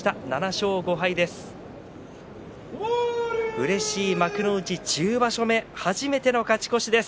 うれしい西幕内１０場所目初めての勝ち越しです。